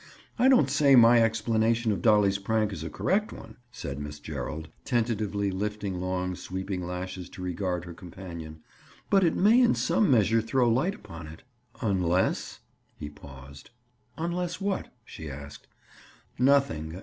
I don't say my explanation of Dolly's prank is a correct one," said Miss Gerald, tentatively lifting long sweeping lashes to regard her companion, "but it may in some measure throw light upon it." "Unless—?" He paused. "Unless what?" she asked. "Nothing.